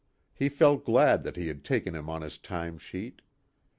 He felt glad that he had taken him on his time sheet.